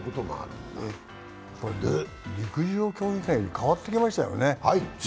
陸上競技界も変わってきましたよね。